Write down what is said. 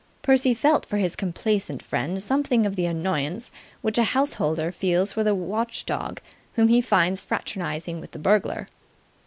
Percy felt for his complaisant friend something of the annoyance which a householder feels for the watchdog whom he finds fraternizing with the burglar.